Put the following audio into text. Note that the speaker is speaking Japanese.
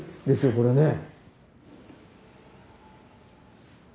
これねえ。